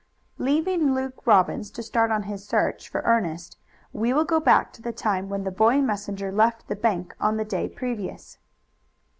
Leaving Luke Robbins to start on his search for Ernest, we will go back to the time when the boy messenger left the bank on the day previous.